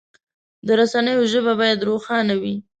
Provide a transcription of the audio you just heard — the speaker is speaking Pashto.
د رسنیو ژبه باید روښانه وي.